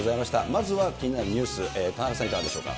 まずは気になるニュース、田中さん、いかがでしょうか。